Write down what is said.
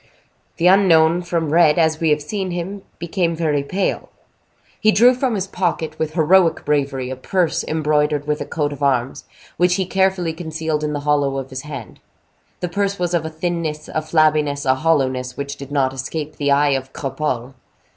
The unknown, from red, as we have seen him, became very pale. He drew from his pocket, with heroic bravery, a purse embroidered with a coat of arms, which he carefully concealed in the hollow of his hand. This purse was of a thinness, a flabbiness, a hollowness, which did not escape the eye of Cropole.